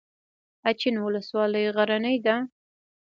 اچین ولسوالۍ غرنۍ ده؟